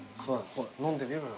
飲んでみろよ。